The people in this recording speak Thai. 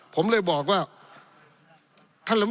ปี๑เกณฑ์ทหารแสน๒